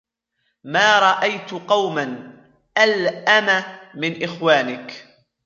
مَا رَأَيْت قَوْمًا أَلْأَمَ مِنْ إخْوَانِك